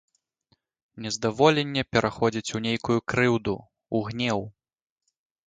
Нездаволенне пераходзіць у нейкую крыўду, у гнеў.